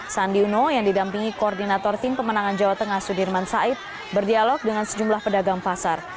sandi uno yang didampingi koordinator tim pemenangan jawa tengah sudirman said berdialog dengan sejumlah pedagang pasar